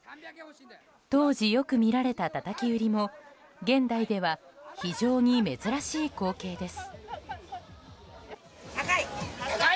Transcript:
当時よく見られた、たたき売りも現代では非常に珍しい光景です。